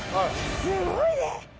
すごいね。